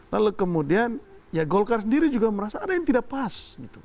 lalu kemudian ya golkar sendiri juga merasa ada yang tidak pas